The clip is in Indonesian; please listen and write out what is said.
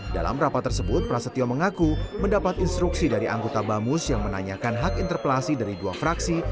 dalam rapat tersebut prasetyo mengaku mendapat instruksi dari anggota bamus yang menanyakan hak interpelasi dari dua fraksi